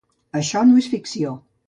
Això no és ficció.